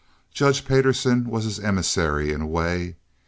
Judge Payderson was his emissary, in a way.